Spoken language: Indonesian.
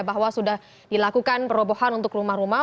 bahwa sudah dilakukan perobohan untuk rumah rumah